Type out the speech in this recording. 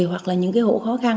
hoặc là những hộ khó khăn